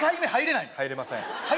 はい入れません？